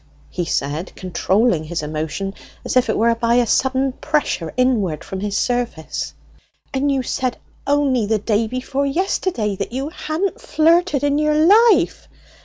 he said, controlling his emotion as it were by a sudden pressure inward from his surface. "And you said only the day before yesterday that you hadn't flirted in your life!"